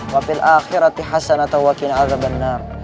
wa fil akhirati hasanah tawakin azaban naam